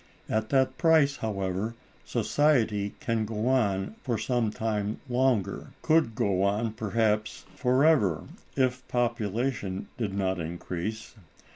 At that price, however, society can go on for some time longer; could go on perhaps forever, if population did not increase.